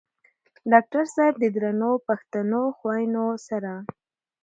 ډاکټر صېب د درنو پښتنو خويونو سره